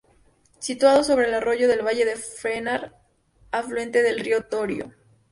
Situado sobre el Arroyo del Valle de Fenar, afluente del Río Torío.